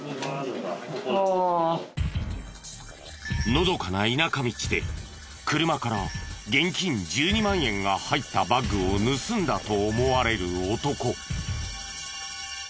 のどかな田舎道で車から現金１２万円が入ったバッグを盗んだと思われる男。